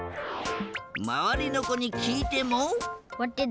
まわりのこにきいても。